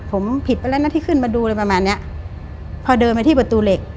ผมผิดไปแล้วนะที่ขึ้นมาดูอะไรประมาณเนี้ยพอเดินไปที่ประตูเหล็ก